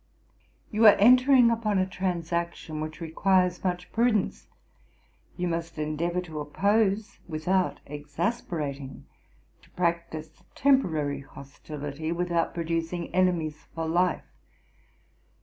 'You are entering upon a transaction which requires much prudence. You must endeavour to oppose without exasperating; to practise temporary hostility, without producing enemies for life.